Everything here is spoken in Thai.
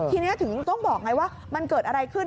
ทีนี้ถึงต้องบอกไงว่ามันเกิดอะไรขึ้น